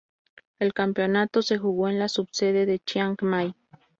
El campeonato se jugó en la subsede de Chiang Mai.